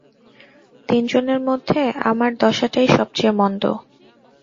তিনজনের মধ্যে আমার দশাটাই সব চেয়ে মন্দ।